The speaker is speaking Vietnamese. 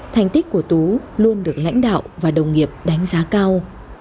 thành tích của tú luôn được lãnh đạo và đồng nghiệp đánh giá cao